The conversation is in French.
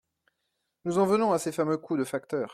Nous en venons à ces fameux coûts de facteurs.